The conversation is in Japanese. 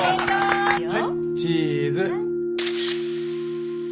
はいチーズ。